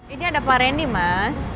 ini ada pak rendy mas